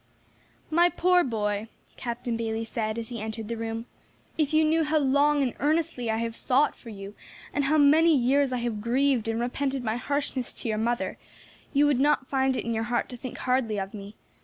"My poor boy," Captain Bayley said, as he entered the room, "if you knew how long and earnestly I have sought for you, and how many years I have grieved and repented my harshness to your mother, you would not find it in your heart to think hardly of me.